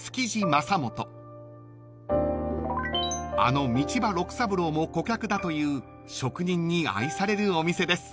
［あの道場六三郎も顧客だという職人に愛されるお店です］